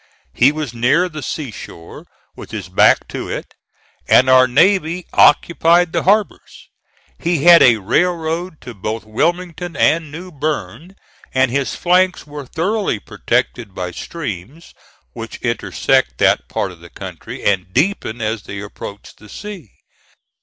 He was near the sea shore with his back to it, and our navy occupied the harbors. He had a railroad to both Wilmington and New Bern, and his flanks were thoroughly protected by streams, which intersect that part of the country and deepen as they approach the sea.